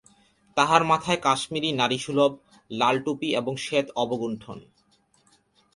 তাঁহার মাথায় কাশ্মীরীনারী-সুলভ লাল টুপী এবং শ্বেত অবগুণ্ঠন।